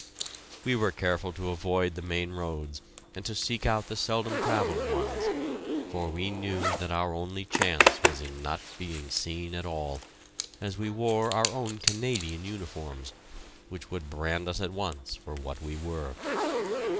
We were careful to avoid the main roads and to seek out the seldom travelled, ones, for we knew that our only chance was in not being seen at all, as we wore our own Canadian uniforms, which would brand us at once for what we were.